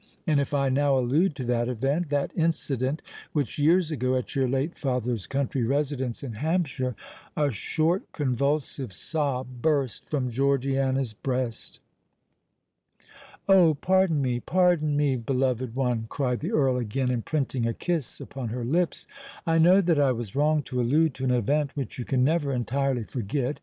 And if I now allude to that event—that incident which years ago, at your late father's country residence in Hampshire——" A short convulsive sob burst from Georgiana's breast. "Oh! pardon me—pardon me, beloved one!" cried the Earl, again imprinting a kiss upon her lips: "I know that I was wrong to allude to an event which you can never entirely forget.